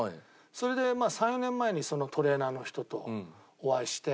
それで３４年前にそのトレーナーの人とお会いして。